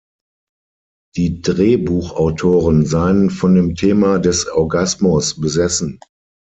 Die Drehbuchautoren seien von dem Thema des Orgasmus besessen.